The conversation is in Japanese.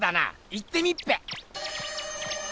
行ってみっぺ！